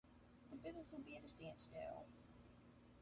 The business would be at a standstill.